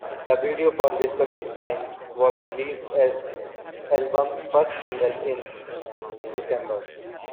A video for "Whispering Pines" was released as the album's first single in December.